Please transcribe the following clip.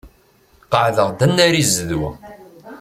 Qeɛd-aɣ-d annar i zzedwa.